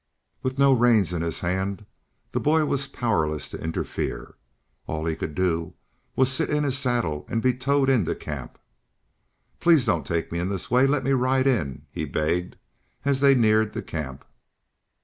With no reins in his hands the boy was powerless to interfere. All he could do was to sit in his saddle and be towed into camp. "Please don't take me in this way. Let me ride in," he begged as they neared the camp.